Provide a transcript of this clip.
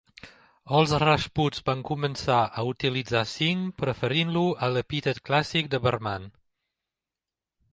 Els rajputs van començar a utilitzar singh preferint-lo a l'epítet clàssic de "Varman".